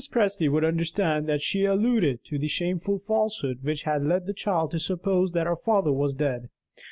Presty would understand that she alluded to the shameful falsehood which had led the child to suppose that her father was dead.